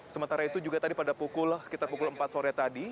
sementara itu juga tadi pada sekitar pukul empat sore tadi